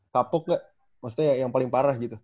kapuk gak maksudnya yang paling parah gitu